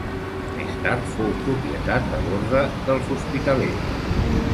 Més tard fou propietat de l'orde dels hospitalers.